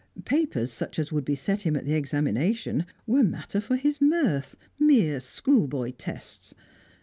Papers such as would be set him at the examination were matter for his mirth, mere schoolboy tests.